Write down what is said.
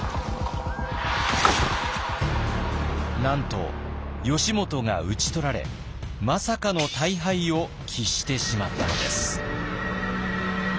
なんと義元が討ち取られまさかの大敗を喫してしまったのです。